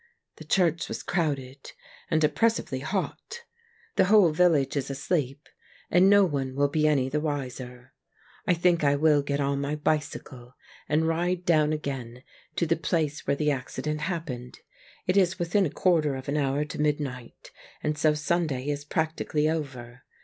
The church was crowded, and oppressively hot. The whole village is asleep, and no one will be any the wiser. I think I will get on my bicycle and ride down again to the place where the accident happened. It is within a quarter of an hour to midnight, and so Sunday is practically over.